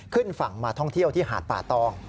ขึ้นฝั่งมาท่องเที่ยวที่หาดป่าตอง